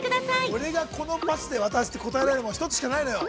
◆俺が、このパスで渡して答えられるもの１つしかないのよ。